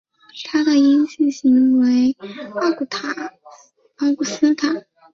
它的阴性型为奥古斯塔。